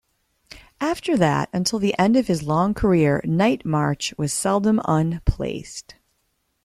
After that, until the end of his long career, Nightmarch was seldom unplaced.